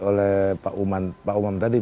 oleh pak umam tadi